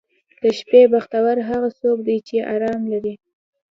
• د شپې بختور هغه څوک دی چې آرام لري.